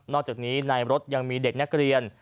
จากนี้ในรถยังมีเด็กนักเรียน